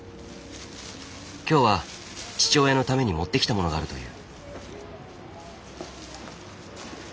今日は父親のために持ってきたものがあるという。